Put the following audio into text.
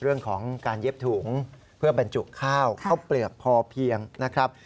เรื่องของการเย็บถุงเพื่อบรรจุข้าวข้าวเปลือกพอเพียงนะครับ